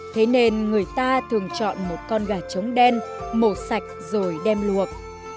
thế nên người ta thường chọn một con gà trống đen mổ sạch rồi đem luộc